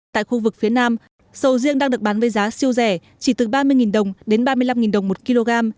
tại khu vực phía nam sầu riêng đang được bán với giá siêu rẻ chỉ từ ba mươi đồng đến ba mươi năm đồng một kg